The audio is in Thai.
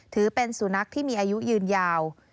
ถือเป็นสุนัขที่มีอายุยืนยาว